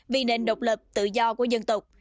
vì nền độc lập tự do của dân tộc